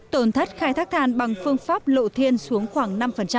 tổn thất khai thác than bằng phương pháp lộ thiên xuống khoảng năm